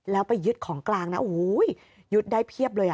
แล้วไปยึดของกลางนะโอ้โหยึดได้เพียบเลย